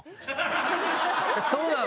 そうなの？